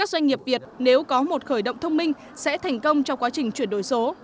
doanh nghiệp việt nếu có một khởi động thông minh sẽ thành công trong quá trình chuyển đổi số